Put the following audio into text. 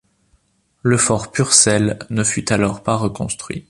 Le Fort Purcell ne fut alors pas reconstruit.